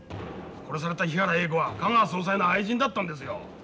殺された檜原映子は香川総裁の愛人だったんですよ。